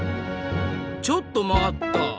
ちょっと待った！